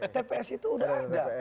tps itu sudah ada